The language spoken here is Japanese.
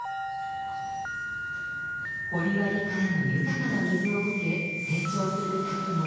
掘割からの豊かな水を受け成長する作物。